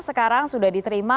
sekarang sudah diterima